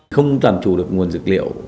không toàn trù được nguồn dược liệu